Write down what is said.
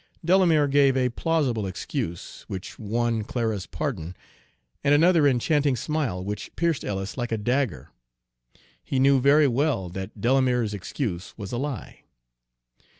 Delamere gave a plausible excuse which won Clara's pardon and another enchanting smile, which pierced Ellis like a dagger. He knew very well that Delamere's excuse was a lie.